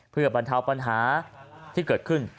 เพื่อบรรเทาปัญหาที่เกิดขึ้น